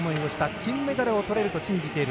金メダルを取れると信じている。